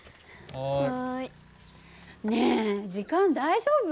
ねえ時間大丈夫？